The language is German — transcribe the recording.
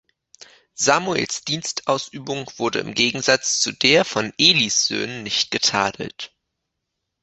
Samuels Dienstausübung wurde im Gegensatz zu der von Elis Söhnen nicht getadelt.